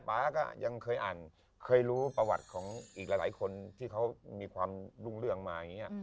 ป๊าก็ยังเคยอ่านเคยรู้ประวัติของอีกหลายคนที่เขามีความรุ่งเรื่องมาอย่างนี้